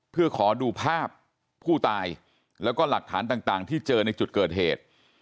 เพื่อขอดูภาพผู้ตายแล้วก็หลักฐานต่างที่เจอในจุดเกิดเหตุ